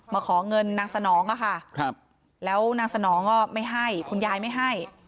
ขอเงินนางสนองอะค่ะแล้วนางสนองก็ไม่ให้คุณยายไม่ให้